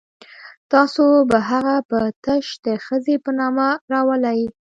تاسو به هغه په تش د ښځې په نامه راولئ.